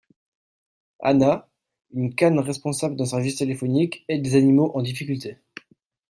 Hana, une cane responsable d'un service téléphonique, aide les animaux en difficulté.